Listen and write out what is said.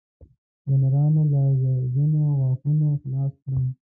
د نرانو له زهرجنو غاښونو خلاص کړم